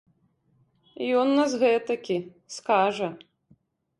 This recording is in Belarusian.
Ён у нас гэтакі, скажа.